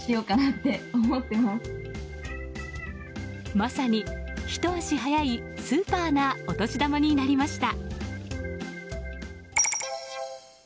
まさに、ひと足早いスーパーなお年玉になりました。